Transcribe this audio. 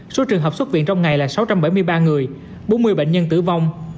số trường hợp xuất viện trong ngày là sáu trăm bảy mươi ba người bốn mươi bệnh nhân tử vong